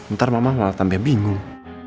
ntar mama malah sampai bingung